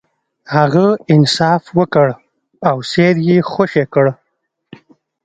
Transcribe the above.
هغه انصاف وکړ او سید یې خوشې کړ.